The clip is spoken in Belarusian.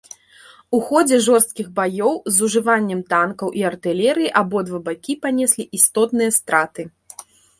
У ходзе жорсткіх баёў з ужываннем танкаў і артылерыі абодва бакі панеслі істотныя страты.